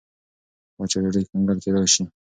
وچه ډوډۍ کنګل کېدای شي.